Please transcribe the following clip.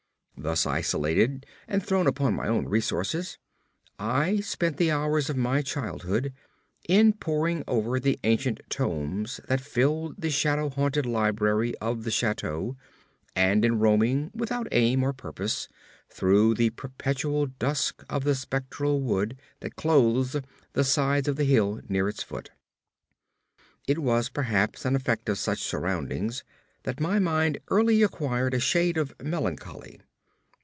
Thus isolated, and thrown upon my own resources, I spent the hours of my childhood in poring over the ancient tomes that filled the shadow haunted library of the chateau, and in roaming without aim or purpose through the perpetual dusk of the spectral wood that clothes the sides of the hill near its foot. It was perhaps an effect of such surroundings that my mind early acquired a shade of melancholy.